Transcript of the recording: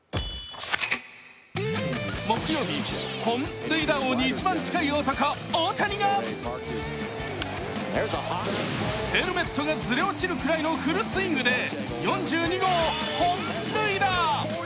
木曜日、本塁打に一番近い男、大谷がヘルメットがずれ落ちるほどのフルスイングで４２号本塁打。